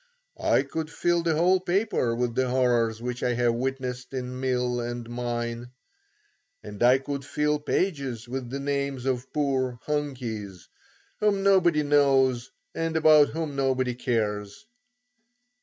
I could fill the whole paper with the horrors which I have witnessed in mill and mine; and I could fill pages with the names of poor "Hunkies" whom nobody knows and about whom nobody cares.